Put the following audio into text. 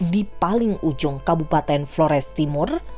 di paling ujung kabupaten flores timur